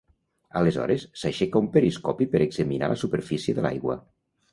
Aleshores, s'aixeca un periscopi per examinar la superfície de l'aigua.